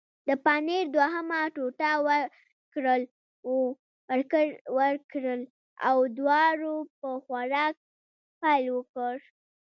د پنیر دوهمه ټوټه ورکړل او دواړو په خوراک پیل وکړ.